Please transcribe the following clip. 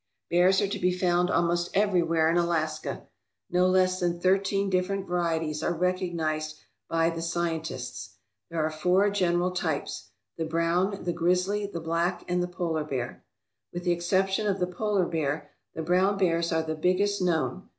Bears are to be found almost everywhere in Alaska. No less than thirteen different varieties are recognized by the scientists. There are four general types: the brown, the grizzly, the black, and the polar bear. With the ex ception of the polar bear, the brown bears are the biggest known.